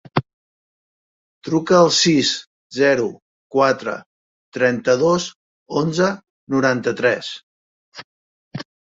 Truca al sis, zero, quatre, trenta-dos, onze, noranta-tres.